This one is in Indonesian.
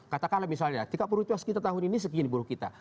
katakanlah misalnya tiga puluh tugas kita tahun ini sekian buruh kita